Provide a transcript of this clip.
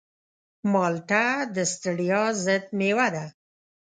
مالټه د ستړیا ضد مېوه ده.